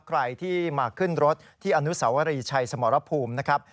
ใครที่มาขึ้นรถที่อนุสาวรีชัยสมรภูมินะครับ